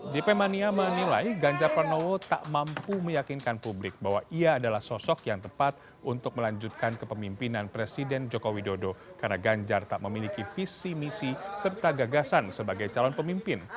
jp mania menilai ganjar pranowo tak mampu meyakinkan publik bahwa ia adalah sosok yang tepat untuk melanjutkan kepemimpinan presiden joko widodo karena ganjar tak memiliki visi misi serta gagasan sebagai calon pemimpin